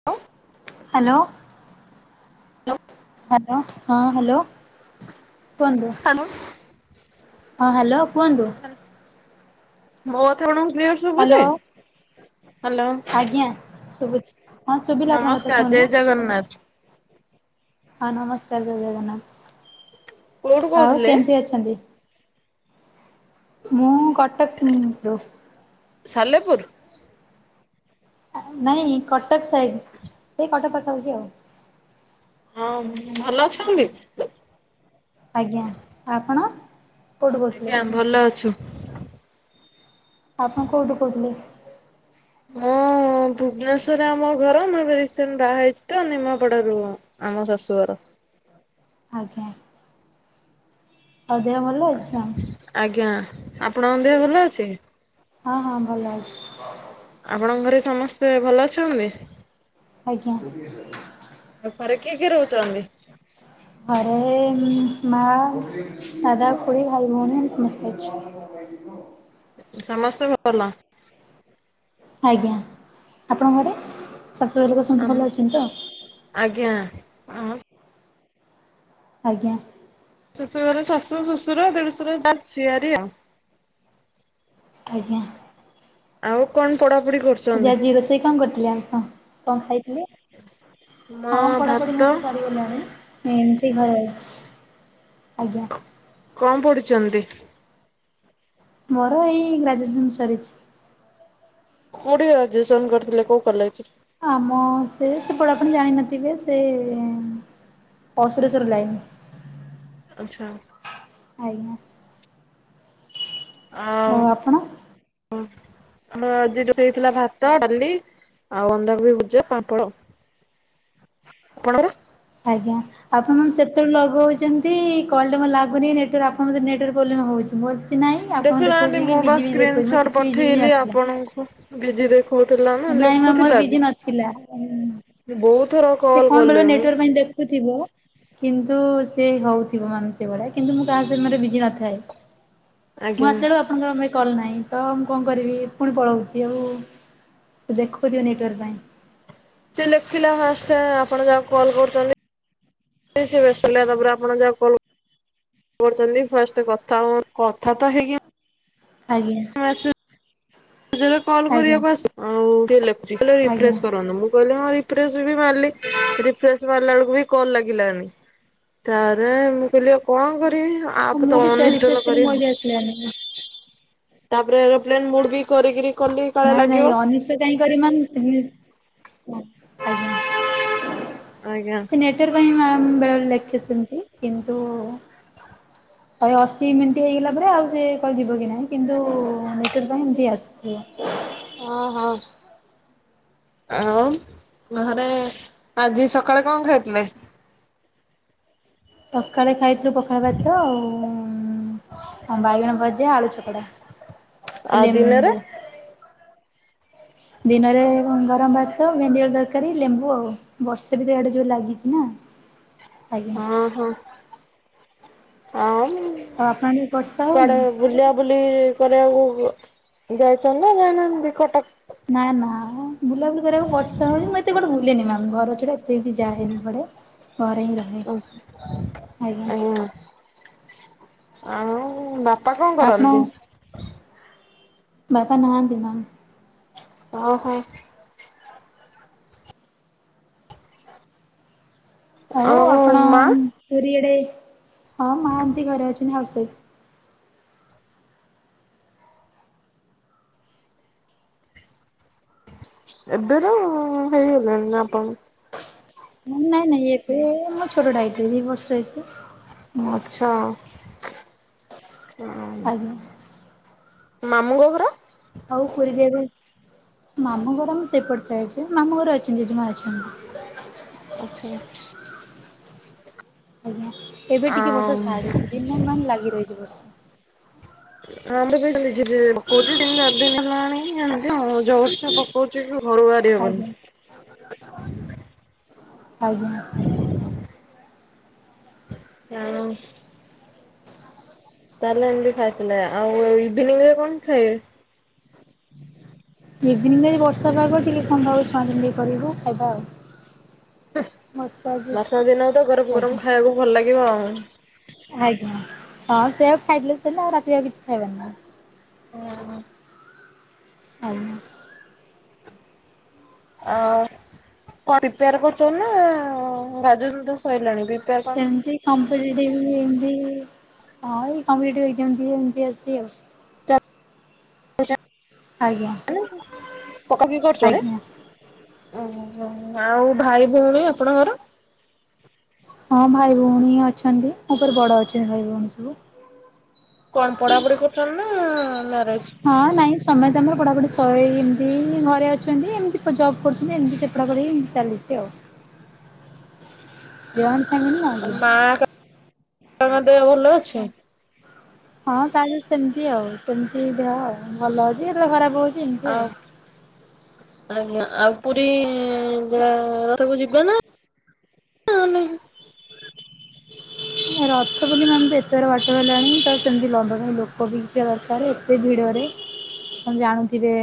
Hello [unintelligible] hello. ଲୋ। Hello ହଁ hello କୁହନ୍ତୁ। ହ୍ୟାଲୋ। ହଁ ହ୍ୟାଲୋ କୁହନ୍ତୁ। ମୋ କଥା ବଣଙ୍କୁ କ୍ଲିୟର ଶୁବୁୁଛି ହ୍ୟାଲୋ ହ୍ୟାଲୋ। ଆଜ୍ଞା। ଶୁଭୁଛି ହଁ ଶୁ ନମସ୍କାର ଜୟ ଜଗନ୍ନାଥ। ହଁ ନମସ୍କାର ଜଜଗନା କୋଉଠୁ ଆଉ କହୁଥିଲେ? କେମିତି ଅଛନ୍ତି? ମୁଁ କଟକରୁ। ସାଲେପୁର। ନାଇଁ କଟକ ସାଇଡ ସେଇ କଟକ ପାଖା ପାକି ଆଉ। ହଁ ଭଲ ଅଛନ୍ତି। ଆଜ୍ଞା ଆପଣ। କୋଉଠୁ କହୁଥିଲେ ଆଜ୍ଞା ଭଲ ଅଛୁ। ଆପଣ କୋଉଠୁ କହୁଥିଲେ? ମୁଁ ହଁ ଭୁବନେଶ୍ଵରେ ଆମ ଘର ମୁଁ ଏବେ ରିସେଣ୍ଟ ବାହା ହେଇଛି ତ ନିମାପଡାରୁୁ ଆମ ଶାଶୁଘର। ଆଜ୍ଞା ଆଉ ଦେହ ଭଲ ଅଛି ନା। ଆଜ୍ଞା ଆପଣଙ୍କ ଦେହ ଭଲ ଅଛି। ହଁ ହଁ ଭଲ ଅଛି। ଆପଣଙ୍କ ଘରେ ସମସ୍ତେ ଭଲ ଅଛନ୍ତି। ଆଜ୍ଞା। ଆଉ ଫରେ କି କି ରହୁଛନ୍ତି? ଅରେ ମା, ଦାଦା, ଖୋଡ଼ି, ଭାଇ, ଭଉଣୀ ସମସ୍ତେଛୁ। [inaudible] ସମସ୍ତେ ଭଲ। ଆଜ୍ଞା ଆପଣଙ୍କ ଘରେ। ଶାଶୁ ହର ଲୋକ ଆମ ସମସ୍ତେ ଭଲ ଅଛନ୍ତି ତ। ଆଜ୍ଞା। ହଁ ଆଜ୍ଞା। ଶ୍ୱଶୁର ଘରେ ଶାଶୁ ଆଉ ଶ୍ୱଶୁର, ଦେଢଶୁର ଆ ଜିଆରି ଆଉ। ଆଜ୍ଞା। ଆଉ କଣ ପଢାପଡିି କରୁ ଆଜି ଆଜି ରୋଷେଇ କଣ କରିଥିଲେ ଆଉ କଣ କଣ ଖାଇଥିଲେ? ମା ହଁ ପଢ଼ାପଢ଼ି ଭାତ ମୋର ତ ଚା ଗଲାଣିଁ ଏମତି ଘରେ ଅଛି ଆଜ୍ଞା। କଣ ପଢୁଛନ୍ତି? ମୋର ଏଇ ଗ୍ରାଜୁଏସନ୍ ସରିଛି। କୋଉଠି ଗ୍ରାଜୁଏସନ୍ କରିଥିଲେ କୋଉ କଲେଜ ରୁ? ଆମ ସେ ସେପଟେ ଆପଣ ଜାଣିନଥିବେ ସେ ଅଔସୁରେଶର ଲାଇନି। ଆଚ୍ଛା। ଆଜ୍ଞା। ଆଉ ହ। ଆମର ଆଜି ରୋସେଇ ହେଇଥିଲା ଭାତ, ଡାଲି ଆଉ ବନ୍ଧାକୋବି ଭଜା ପାମ୍ପଡ଼ ଆଉ। ଆପଣ କର? ଆଜ୍ଞା। ଆପଣ ମତେ ସେତେବେଳେ ଲଗଉଛନ୍ତି କଲଟା ଲାଗୁନି ନେଟୱର୍କ ଆପଣ ନେଟୱର୍କ ପ୍ରୋବ୍ଲେ ହଉଛି। ମୋର କିଛି ନାଇଁ ଆପଣ ଦେଖୁନାହାନ୍ତି ଦେଖଉଛି କି ବିଜି ବି ଦେଖଉ ମୋର କିଛି ବିଜି ବିଝି ନଥିଲା। ଓ ହୋ। ନାଇଁ ମା ମୋର ବି ବିଜି ନଥିଲା। ବହୁତ ଥର ସେ କଲ୍ କଣ କଲିଣି ବେଳ ମୁଁ। ନେଟୱାର୍କ ପାଇଁ ଦେଖୁଥିବ। କିନ୍ତୁ ସେ ହୋଉଥିବ ମାମ୍ ସେଭଳିଆ କିନ୍ତୁ ମୁଁ କାହା ସମୟରେ ବିଜି ନଥାଏ। ମୁଁ ଆଜ୍ଞା। ଆସିଲା ବେଳକୁ ଆପଣଙ୍କର ନାଇ କଲ ନାହିଁ ତ ମୁଁ କଣ କରିବି ପୁଣି ପଳୋଉଛି ଆଉ ଦେଖୁଥିବେ ନେଟୱାର୍କ ପାଇଁ। ସେ ଲେଖିଲା ଫାଷ୍ଟେ ଆପଣ ଯାହାକୁ କଲ୍ କରୁଚନ୍ତି ନାଇଁ ସିଏ ବ୍ୟସ୍ତ ଥିଲା ତାପରେ ଆପଣ ଯାହାକୁ କଲ୍ କରୁଚନ୍ତି ଫାଷ୍ଟେ କଥା ହବ କଥା ତ ହେଇକି ଆଜ୍ଞା। ମୁଁ ଯେତେବେଳ କଲ ଆଜ୍ଞା କରିବାକୁ ଆସେ ଆଉ ଲେଖୁଚି ହେଲେ ଆଜ୍ଞା ରିଫ୍ରେସ କରନ୍ତୁ ମୁଁ କାହିକି ହଁ ରି ରିଫ୍ରେସ୍ ବି ମାରଲି ରିଫ୍ରେସ ମାରଲା ବେଳକୁ ବି କଲ୍ ଲାଗିଲାନି। ତାପରେ ମୁଁ କହିଲି ଆଉ କଣ କରିବି ହଁ ଆପ ମୁଁ ତ ବି ସେୟା ରିଫ୍ରେଶ ଅନଇଷ୍ଟଲ କଲି କରି ମୋର ହ ବି ଆସିଲାନି। ତାପରେ ଏରପ୍ଲେନ ମୋଡ ବି କରିକିରି କଲି କାଳେ ନାଇଁ ଲାଗିବ। ନାଇଁ ଅନଇସ୍ ସେ କାଇଁ କରିମାନି ସେମିତ ନା [unintelligible] ଆଜ୍ଞା। ସେ ନେଟୱାର୍କ ପାଇଁ ମାମ୍ ବେଳେବେଳେ ଲେଖେ ସେମତି କିନ୍ତୁ ଶହେ ଅଶୀ ମିନିଟ୍ ହେଇଗଲା ପରେ ଆଉ ସିଏ କଲ ଯିବ କି ନାହିଁ କିନ୍ତୁ ନେ ସେଥିପାଇଁ ହେମିତି ଆସୁଥୁବ। ଓଁ ହଁ। ଆଉ ଘରେ ଆଜି ସକାଳେ କଣ ଖାଇଥିଲେ? ସକାଳେ ଖାଇଥିଲୁ ପଖାଳ ଭାତ ଆଉ ଉଁମ୍ ଆଉ ବାଇଗଣ ଭଜା ଆଳୁ ଚ ଚକଟା ହେଲେ ଆଉ ଦିନରେ ଲେମ୍ବୁ। ଦିନରେ କଣ ଗରମ ଭାତ, ଭେଣ୍ଡି ଆଳୁ ତରକାରୀ, ଲେମ୍ବୁ ଆଉ ବର୍ଷା ବି ତ ୟାଡେ ଜୋରେ ଲାଗିଚି ନା। ଆଜ୍ଞା ହଁ ହଁ ହଁ ମୁଁ ଏମ୍ ଆଉ ଆପଣ ଆଡି ବର୍ଷା ହୋଉନି? ବୁଲିଆ ବୁଲି କରିବାକୁ ଯାଇଚନ୍ତି ନା ଯାଇନାହାନ୍ତି କଟକ? ନା ନା ବୁଲାବୁଲି କରିବାକୁ ବର୍ଷା ହୋଉଚି ମୁଁ ଏତେ କୁଆଡେ ବୁଲେନି ମାମ୍ ଘର ଛାଡ଼ା ଏତେ ବି ଯାଏନି କୁଆଡେ ଘରେ ହିଁ ର ଓହୋ ଆ ଆଉ ବା ଆପଣ ବାପା ନାହାନ୍ତି ମାମ୍। ଓହୋ। ଆଉ ଆପଣ ପୁରୀ ଆଡେ ହଁ ମାଆ ଏମତି ଘରେ ଅଛନ୍ତି ହାଉସ ୱାଇଫ୍। ଏବେର ହେଇଗଲାଣି ନା ଆପଣ ନାଇଁ ନାଇଁ ଏବେ ମୁଁ ଛୋଟଟା ହେଇଥିଲି ଦି ବର୍ଷର ହେଇଥିଲି। ହୁଁ ଆଚ୍ଛା ଆ। ଆଜ୍ଞା। ମାମୁଁଙ୍କ ଘର? ଆଉ ପୁରୀ ଯିବା ପାଇଁ ମାମୁଁ ଘର ମୁଁ ସେପଟେ ସାଇଡରେ ମାମୁଁ ଘରେ ଅଛନ୍ତି ଜେଜମା ଅଛନ୍ତି। ଆଚ୍ଛା। ଆଜ୍ଞା ଏବେ ଟିକେ ଆଉ ବର୍ଷା ଛାଡିଚି ଦିନମାନ ଲାଗି ରହିଚି ବର୍ଷା। ଆମେ ବି [unintelligible] ଧୀରେ ପକୋଉଚି ଦିନ ରାତି ଦିନେ ନଆଣିକି ହେମିତି [unintelligible] ଜୋରସେ ପକୋଉଚି କି ଘରୁ ବାହାରି ହବନି। ଆଉ ତେଣୁ ତାହେଲେ ଏମତି ଖାଇଥିଲେ ଆଉ ଇଭିନିଂରେ କଣ ଖାଇବେ? ଇଭିନିଂରେ ଆଜି ବର୍ଷା ପାଗ ଟିକେ କଣ ଭାବୁଚି ଛଣି ଦେଇ କରିବୁ ଖାଇବା ଆଉ। ହେ ବର୍ଷା ଆଜି ବର୍ଷା ଅଛି ଦିନ ତ ଆଜ୍ଞା ଗରମ-ଗରମ ଖାଇବାକୁ ଭଲ ଲାଗିବ ଆଉ। ଆଜ୍ଞା ହଁ ସେଆଉ ଖାଇଥିଲେ ସେଦିନ ଆଉ ରାତିରେ ଆଉ କିଛି ଖାଇବନି। ଉଁ ହୁଁ। [unintelligible] ଆଉ କଣ ପ୍ରିପେୟାର କରୁଛନ୍ତି ନା ଗ୍ରାଜୁଏସନ ତ ସରିଲାଣି ପ୍ରିପେୟାର ଏମିତି କମ୍ପିଟେଟିଭ ଏମିତି ହଁ ଏଇ କମ୍ପିଟେଟିଭି ଏକ୍ଜାମ୍ ଦିଏ ଏମିତି ଅଛି ଆଉ। କଣ ଆଜ୍ଞା ପକା ପକି କରୁଚ ନା? ଆଜ୍ଞା ଓହୋ ଆଉ ଭାଇ ଭଉଣୀ ଆପଣଙ୍କର? ହଁ ଭାଇ ଭଉଣୀ ଅଛନ୍ତି। ମୋ ଉପରେ ବଡ଼ ଅଛନ୍ତି ଭାଇ ଭଉଣୀ ସବୁ। କଣ ପଢ଼ାପଢ଼ି କରୁଛନ୍ତି ନା ମ୍ୟରେଜ? ହଁ ନାଇଁ ସମେତେ ଆମର ପଢ଼ାପଢ଼ି ସ ଏମିତି ଘରେ ଅଛନ୍ତି, ଏମିତି ଜବ୍ କରୁଛନ୍ତି ଏମିତି ସେ ପଢ଼ାପଢ଼ି ଚାଲିଛି ଆଉ। ଜଏଣ୍ଟ ଫ୍ୟାମିଲୀ ନା କି? ମା କାକାଙ୍କ ଦେହ ଭଲ ଅଛି? ହଁ ତାହେଲେ ସେମିତି ଆଉ ସେମିତି ଦେହ ଭଲ ଅଛି କେତେବେଳେ ଖରାପ ହଉଛି। ଆଉ ଆଜ୍ଞା ଆଉ ପୁରୀ ଯ ରଥକୁ ଯିବେ ନା? [unintelligible] [inaudible] ରଥକୁ [unintelligible] ଏତେଗୁରା ବାଟ ହେଲାଣି ତ ସେମିତି ନବା ପାଇଁ ଲୋକ ବି ଥିବା ଦରକାର ଏତେ ଭିଡ଼ରେ। ଆପଣ ଜାଣୁଥିବେ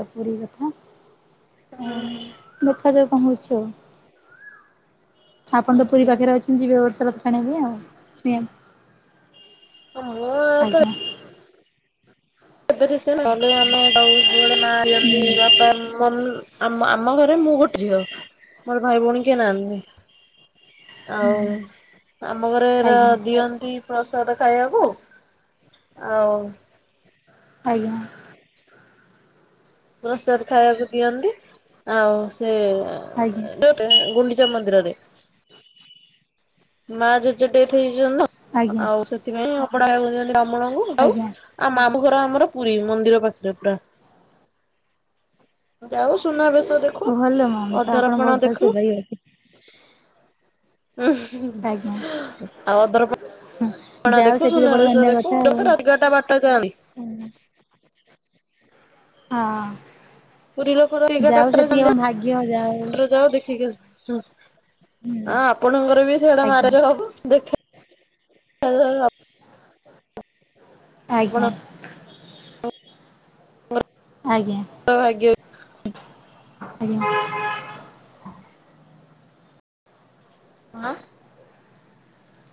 ତ ପୁରୀ କଥା। ହଁ ଦେଖାଯଉ କଣ ହଉଚି ଆଉ। ଆପଣ ତ ପୁରୀ ପାଖରେ ଅଛନ୍ତି ଯିବେ ଏ ବର୍ଷ ରଥ ଟାଣିବା ପାଇଁ ଆଉ ଛୁଇଁଆକୁ। ମୁଁ ତ ଆଜ୍ଞା। [unintelligible] [unintelligible] ଆମେ [unintelligible] ବାପା, ମମି ଆମ ଘରେ ମୁଁ ଗୋଟେ ଝିଅ। ମୋର ଭାଇ ଭଉଣୀ କିଏ ନାହାଁନ୍ତି। ଆଉ ଆମ ଘରେ ହେରା ଆଜ୍ଞା ଦିଅନ୍ତି ପ୍ରସାଦ ଖାଇବାକୁ। ଆଉ ଆଜ୍ଞା। ପ୍ରସାଦ ଖାଇବାକୁ ଦିଅନ୍ତି। ଆଉ ସେ ଆଜ୍ଞା [unintelligible] ଗୁଣ୍ଡିଚା ମନ୍ଦିରରେ। ମା, ଜେଜେ ଡେଥ ହେଇଯାଇଛନ୍ତି ତ ଆଜ୍ଞା ଆଉ ସେଥିପାଇଁ ଅବଢ଼ା [unintelligible] ବ୍ରାହ୍ମଣଙ୍କୁ ଆଉ ଆଜ୍ଞା। ଆଉ ମାମୁଁଘର ଆମର ପୁରୀ ମନ୍ଦିର ପାଖରେ ପୁରା। ଯାଉ ସୁନାବେଶ ଦେ ଭଲ ମାମ୍ ତ ଆପଣ ବହୁତ ସୌଭାଗ୍ୟବତି। ଆଜ୍ଞା ଉଁ-ହୁ-ହୁ ଆଉ ଅଧର ପ ଣା ଯାହାହଉ ଦେଖୁ ସେତିକି ବଡ ସୁନାବେଶ ଦେଖୁ [unintelligible] ଏଗାରଟା ବାରଟା। [unintelligible] ହୁଁ। ପୁରୀ ଲୋକ ରାତି ହଁ ଯାଉ ସେତିକି ତମ ଭାଗ୍ୟ ଯାଉ। ଯାଉ ଦେଖିକି ଆସୁ। ହୁଁ। ଆପଣଙ୍କର ବି ଆଜ୍ଞା [unintelligible] ହବ ଦେଖ [unintelligible] ଆଜ୍ଞା। ଆଜ୍ଞା। [unintelligible] ଆଜ୍ଞା। କଣ?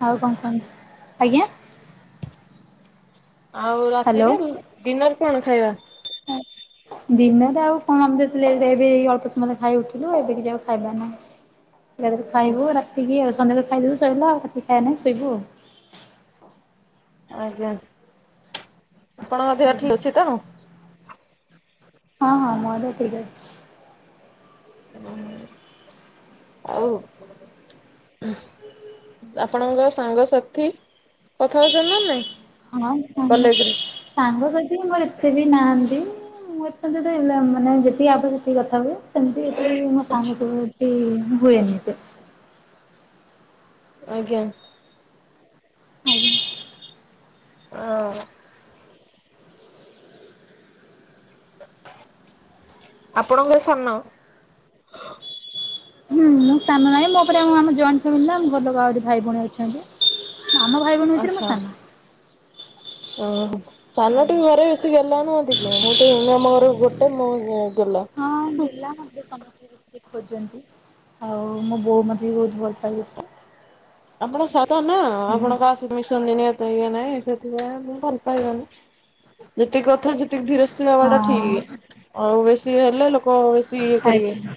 ଆଉ କଣ କୁହନ୍ତୁ? ଆଜ୍ଞା? ଆଉ ରାତିରେ ହ୍ୟାଲୋ। ଡିନର କଣ ଖାଇବା? ଡିନର୍ ରେ ଆଉ କଣ ଆମେ ଏତେ ଲେଟ୍ ଏବେ ଅଳ୍ପ ସମୟ ହେଲା ଖାଇକି ଉଠିଲୁ ଏବେ କିଛି ଆଉ ଖାଇବାର ନାହିଁ। [unintelligible] ଖାଇବୁ ରାତିକି ଆଉ ସଧ୍ୟବେଳେ ଖାଇ ଦେଲୁ ସଇଲା ଆଉ ରାତି କି ଖାଇବାର ନାଇଁ ଶୋଇବୁ ଆଉ। ଆଜ୍ଞା। ଆପଣଙ୍କ ଦେହ ଆଜ୍ଞା ଠିକ ଅଛି ତ? ହଁ ହଁ ମୋ ଦେହ ଠିକ୍ ଅଛି। ହଁ ଆଉ ଆପଣଙ୍କ ସାଙ୍ଗ ସାଥି କଥା ହଉଛନ୍ତି ନା ନାହିଁ ହଁ ସାଙ୍ଗ କଲେଜରେ? ସାଙ୍ଗସାଥି ମୋର ଏତେ ବି ନାହାନ୍ତି ମୁଁ ଏତେ ମତେ [unintelligible] ଯେତିକି ଆବ ସେତିକି କଥା ହୁଏ। ତ ମୁଁ ବି ଏତେ ମୋ ଆଚ୍ଛା ସାଙ୍ଗସତୀ ମୁଁ ହୁଏନି ଏତେ। ଆଜ୍ଞା। ଆଜ୍ଞା। ଆଁ ଆପଣ କଁ ସାନ? ହୁଁ ମୁଁ ସାନ ନାଇଁ ମୋ ପରେ ହଁ ଆମ ଜଏଣ୍ଟ ଫ୍ୟାମିଲି ନା ମୋ ଭଲଗା ଆଉରି ଭାଇ ଭଉଣୀ ଅଛନ୍ତି। ଆମ ଭାଇ ଭଉଣୀ ଭିତେରେ ମୁଁ ସାନ। ଉଁ ହୁଁ ସାନ ଆଜ୍ଞା। ଟିକେ ଘରେ ସିଏ ଗେହ୍ଲା ନୁହଁ ଏତିକି ମୁଁ ତ ମୁଁ ଆମ ଘର ଗୋଟେ ମୁଁ ଗୁଁ ଗେଲା। ହଁ ଗେଲା ମତେ ସମସ୍ତେ ମିଶିକି ଖୋଜନ୍ତି। ଆଉ ମୋ ବୋଉ ମତେ ବି ବୋହୁତ ଭଲ ପାଏ ବେଶୀ। ଆପଣ ସାତ ନା ଆପଣ କା ସଇତ୍ ମିଶନ୍ତିନି ଏତେ ଇଏ ନାଇଁ ସେଥିପାଇଁ [unintelligible] କାଇଁ ହୁଅନି ଯେତିକି କଥା ଯେତିକି ଧିର ସ୍ତିର ହବାଟା ଠିଗି। ହଁ ଆଉ ବେଶୀ ହେଲେ ଲୋକ ବେଶୀ ଇଏ କରିବେ। ଆଜ୍ଞା।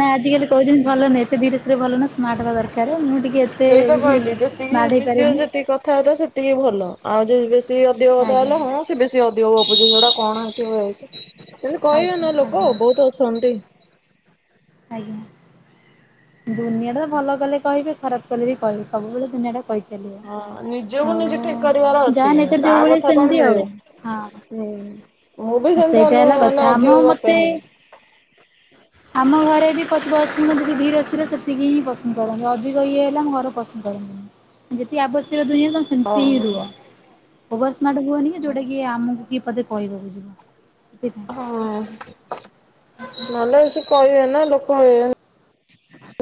ନାଇଁ ଆଜିିକାଲି କହୁଚନ୍ତି ଭଲ ନାଇଁ ଏତେ ଧୀର ସ୍ତିର ଭଲ ନା। ସ୍ମାର୍ଟ ହବା ଦରକାରେ ମୁଁ ଟିକେ ଏତେ ହୁଁ ସ୍ମାର୍ଟ ହେଇପାରେନି। ଏତିକି କଥା ହେଇଥା ସେତ୍ ତିକି ଭଲ ଆଉ ଯଦି ବେଶୀ ଅଧିକ କଥା ଆଜ୍ଞା ହେଲେ ହଁ ସିଏ ବେଶୀ ଅଧିକ ଗପୁଚି ସେଟା କଣ ଏଠି ବଇଚି। ଇନ୍ତି କହିବେ ଆଜ୍ଞା ନା ଲୋକ ଆଜ୍ଞା ବୋହୁତ ଅଛନ୍ତି। ଆଗ୍ ଦୁନିଆଟା ଭଲ କଲେ କହିବେ ଖରାପ କଲେ ବି କହିବେ ସବୁବେଳେ ଦୁନିଆଟା କହି ହଁ ନିଜକୁ ଚାଲିବ ନିଜେ ଠିକ କରିବାର ଆଉ ଅଛି ଯାହ ନେଚର୍ କାହା ଯୋଉ ଭଳିଆ କଥା କଣ ସେମତି ମିଳିବ। ଆଉ ହୁଁ ମୁଁ ବି ହଁ। ସେମିତି ଅନୁ ସେଇଟା ହେଲା ମାନେ କଥା ଅଧିକ ଆମ ମତେ ଗପେନି। ଆମ ଘରେ ବି [unintelligible] ଅଛନ୍ତି ଟିକେ ଧୀରେ। ତିର ସେତିକି ହିଁ ପସନ୍ଦ କରନ୍ତି ଅଧିକ ଇଏ ହେଲେ ଆମ ଘର ପସନ୍ଦ କରନ୍ତିନି ଯେତିିକି ଆବଶ୍ୟକ ଦୁନିଆଁରେ ଓହୋ। ଓଭର୍ ସ୍ମାର୍ଟ ହୁଅନି କି ଯୋଉଟା କି ଆମକୁ କିଏ ପଦେ କହିବାକୁ ଯିବ। ସେଥିପାଇଁ। ହଁ ନହେଲେ ସିଏ କହିବେ ନା ଲୋକ ମେନ୍।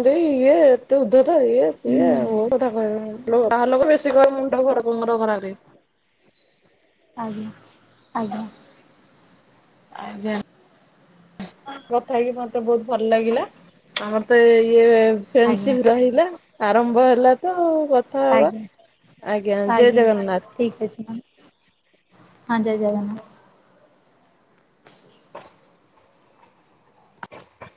ଯେଇ ଇଏ ଏତେ ଉଦ୍ଧତ ଏଇଆ ସେଇଆ ବୋହୁତ ହୁଁ। କଥା କହିବେ। ଲୋ ବାହାର ଲୋକ ବେଶୀ କଇବେ ମୁଣ୍ଡ ଘରକଙ୍କର ଖରାପେ। ଆଜ୍ଞା ଆଜ୍ଞା। ଆଜ୍ଞା। କଥା ହେଇକି ମତେ ବୋହୁତ ଭଲ ଲାଗିଲା। ଆମର ତ ଏ ଇଏ ଆଜ୍ଞା ଫ୍ରେଣ୍ଡସିପ୍ ରହିଲା। ଆରମ୍ଭ ହେଲା ତ ଆଉ କଥା ହବା ଆଜ୍ଞା ଆଜ୍ଞା ଜୟ ଜଗନ୍ନାଥ। ଠିକ୍ ଅଛି ମାମ୍। ହଁ ଜୟ ଜାଗନ୍ନା